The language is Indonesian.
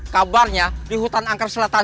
kabarnya di hutan angker selatan